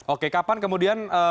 oke kapan kemudian